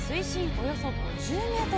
およそ５０ｍ。